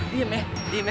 diam ya diam ya